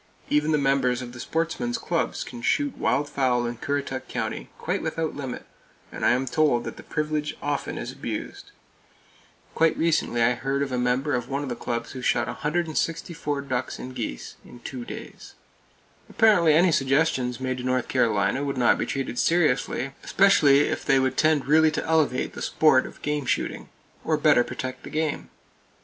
Even the members of the sportsmen's clubs can shoot wild fowl in Currituck County, quite without limit; and I am told that the privilege often is abused. Quite recently I heard of a member of one of the clubs who shot 164 ducks and geese in two days! Apparently any suggestions made to North Carolina would not be treated seriously, especially if they would tend really to elevate the sport of game shooting, or better protect the game.